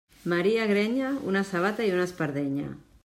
Maria Grenya, una sabata i una espardenya.